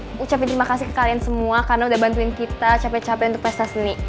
my prince mau ucapin terima kasih ke kalian semua karena udah bantuin kita capek capek untuk pesta seni